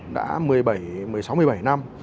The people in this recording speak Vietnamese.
đã một mươi sáu một mươi bảy năm